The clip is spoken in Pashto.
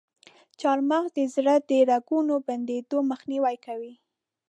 چارمغز د زړه د رګونو بندیدو مخنیوی کوي.